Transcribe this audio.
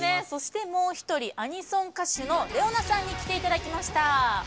そして、もう一人アニソン歌手のＲｅｏＮａさんに来ていただきました。